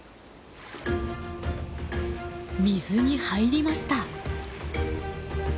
水に入りました。